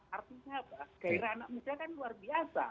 artinya apa gairah anak muda kan luar biasa